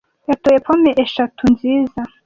Yatoye pome eshatu nziza.